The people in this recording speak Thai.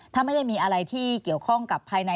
ถ้าไม่ได้มีอะไรที่เกี่ยวข้องกับภายใน